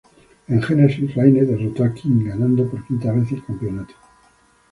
En "Genesis", Rayne derrotó a Kim, ganando por quinta vez el campeonato.